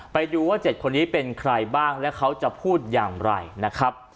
ไปดูว่า๗คนนี้เป็นใครบ้างและเขาจะพูดอย่างไรนะครับ